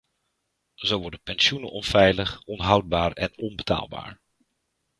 Zo worden pensioenen onveilig, onhoudbaar en onbetaalbaar.